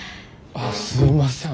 あっすいません。